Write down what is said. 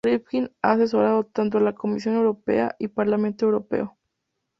Rifkin ha asesorado tanto a la Comisión Europea y el Parlamento Europeo.